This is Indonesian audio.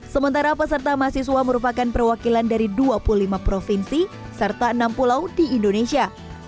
sementara peserta mahasiswa merupakan perwakilan dari dua puluh lima provinsi serta enam pulau di indonesia